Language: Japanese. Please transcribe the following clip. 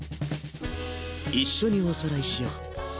一緒におさらいしよう。